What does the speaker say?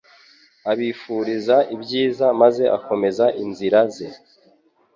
abifuriza ibyiza maze akomeza inzira ze.